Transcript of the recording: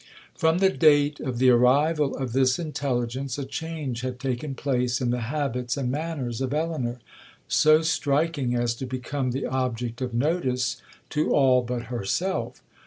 'From the date of the arrival of this intelligence, a change had taken place in the habits and manners of Elinor, so striking as to become the object of notice to all but herself.